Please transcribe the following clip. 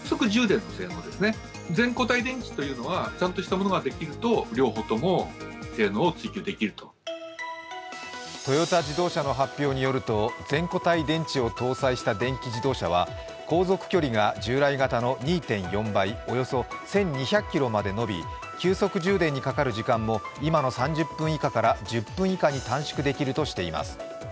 その能力はトヨタ自動車の発表によると全固体電池を搭載した電気自動車は航続距離が従来型の２．４倍、およそ１２００ｋｍまで延び急速充電にかかる時間も今の３０分以下から１０分以下に短縮できるとしています。